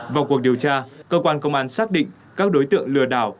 vào cuộc điều tra cơ quan công an xác định các đối tượng lừa đảo